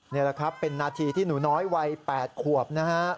นี่แหละครับเป็นนาทีที่หนูน้อยวัย๘ขวบนะฮะ